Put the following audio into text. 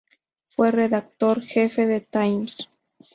Fue redactor jefe de "Times".